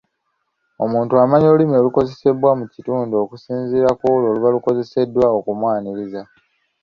Omuntu amanya olulimi olukozesebwa mu kitundu okusinziira ku olwo olubalukozeseddwa okumwaniriza.